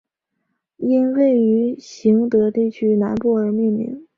因位于行德地区南部而命名。